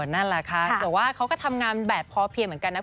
นั่นแหละค่ะแต่ว่าเขาก็ทำงานแบบพอเพียงเหมือนกันนะ